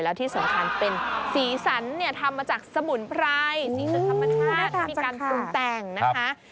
แล้วที่สำคัญเป็นสีสันเนี่ยทำมาจากสมุนไพรสีสันธรรมชาติที่มีการปรุงแต่งนะคะ